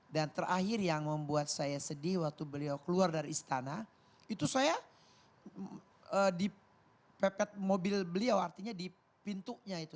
dan terakhir yang membuat saya sedih waktu beliau keluar dari istana itu saya di pepet mobil beliau artinya di pintunya itu